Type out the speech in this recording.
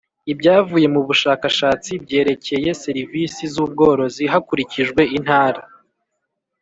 Ibyavuye mu bushakashatsi byerekeye serivisi z ubworozi hakurikijwe intara